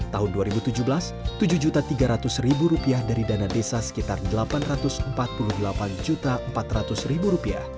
tahun dua ribu tujuh belas rp tujuh tiga ratus dari dana desa sekitar rp delapan ratus empat puluh delapan empat ratus